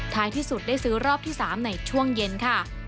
ที่สุดได้ซื้อรอบที่๓ในช่วงเย็นค่ะ